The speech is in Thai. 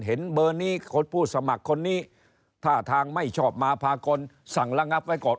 เห็นเบอร์นี้ผู้สมัครคนนี้ท่าทางไม่ชอบมาพากลสั่งระงับไว้ก่อน